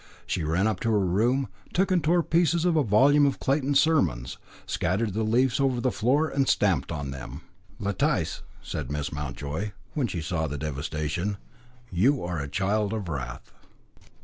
She ran up to her room, and took and tore to pieces a volume of Clayton's Sermons, scattered the leaves over the floor, and stamped upon them. "Letice," said Miss Mountjoy, when she saw the devastation, "you are a child of wrath."